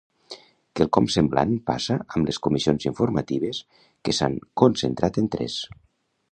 Quelcom semblant passa amb les comission informatives que s’han concentrat en tres.